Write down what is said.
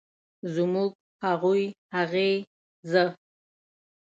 زموږ، هغوی ، هغې ،زه